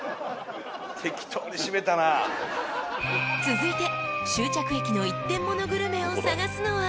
［続いて終着駅の一点モノグルメを探すのは］